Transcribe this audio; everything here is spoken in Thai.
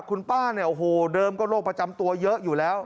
คุณป้าเนี่ยโอ้โหเดิมก็โรคประจำตัวเยอะอยู่แล้ว